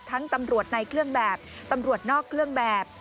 ตำรวจในเครื่องแบบตำรวจนอกเครื่องแบบ